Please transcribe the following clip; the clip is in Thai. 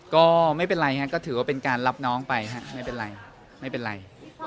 ก็ไม่เป็นไรก็ถือว่าเป็นการรับน้องไปไม่เป็นไร